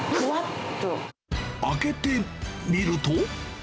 開けてみると。